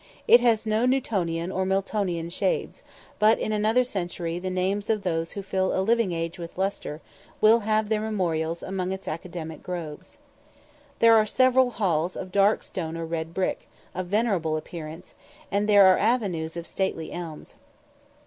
It has no Newtonian or Miltonian shades, but in another century the names of those who fill a living age with lustre will have their memorials among its academic groves. There are several halls of dark stone or red brick, of venerable appearance, and there are avenues of stately elms.